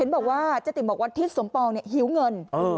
เห็นบอกว่าเจ๊ติ๋มบอกว่าทิศสมปล์งนี่หิวเงิน